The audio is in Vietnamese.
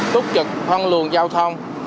tốt trực thông lường giao thông